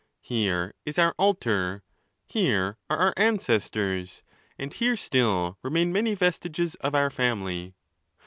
Here is our altar, here are our ancestors, and here still remain many vestiges of our family.